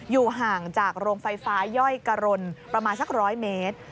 อยู่ห่างจากโรงไฟฟ้าย่อยกะรนประมาณสัก๑๐๐เมตร